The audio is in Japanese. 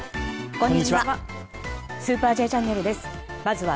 こんにちは。